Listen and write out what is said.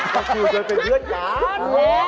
ก็คิวเกิดเป็นเลือดกัน